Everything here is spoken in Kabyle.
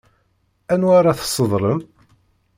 Anwa ara tesseḍlem?